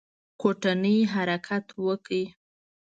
کوټنۍ حرکت وکړ.